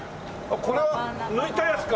これは抜いたやつか。